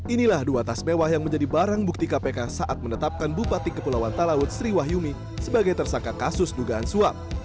inilah dua tas mewah yang menjadi barang bukti kpk saat menetapkan bupati kepulauan talaut sri wahyumi sebagai tersangka kasus dugaan suap